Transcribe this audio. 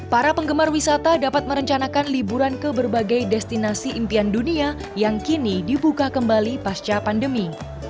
para penggemar wisata dapat merencanakan liburan ke berbagai destinasi impian dunia yang kini dibuka kembali pasca pandemi